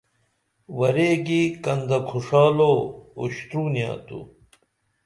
ورے کی کندہ کُھݜالو اُوشترونیہ تو